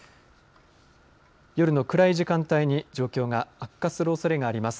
夜の暗い時間帯に状況が悪化するおそれがあります。